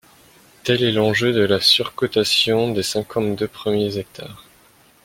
Tel est l’enjeu de la surcotation des cinquante-deux premiers hectares